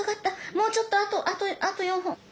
もうちょっとあと４本。